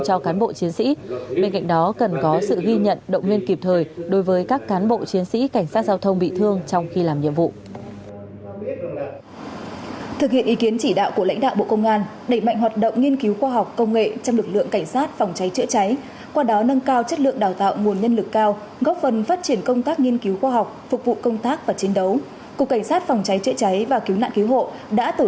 thực hiện ý kiến chỉ đạo của lãnh đạo bộ công an đẩy mạnh hoạt động nghiên cứu khoa học công nghệ trong lực lượng cảnh sát phòng cháy chữa cháy qua đó nâng cao chất lượng đào tạo nguồn nhân lực cao góp phần phát triển công tác nghiên cứu khoa học phục vụ công tác và chiến đấu